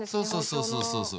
そうそうそうそう。